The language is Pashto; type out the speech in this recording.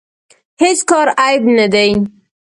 هیڅ کار عیب نه دی.